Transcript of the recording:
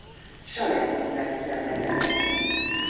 Saját nyomdát üzemeltetett.